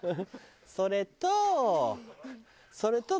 それと。